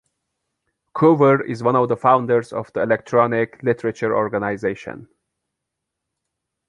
Coover is one of the founders of the Electronic Literature Organization.